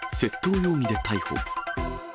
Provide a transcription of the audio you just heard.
窃盗容疑で逮捕。